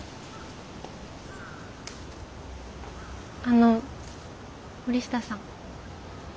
あの森下さん。